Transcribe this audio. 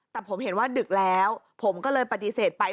แต่ผมเห็นว่าดึกแล้วผมก็เลยปฏิเสธไป